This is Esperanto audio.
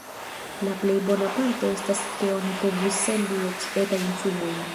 La plej bona parto estas ke oni povus sendi eĉ etajn sumojn.